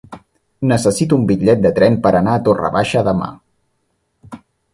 Necessito un bitllet de tren per anar a Torre Baixa demà.